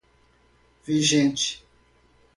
vigente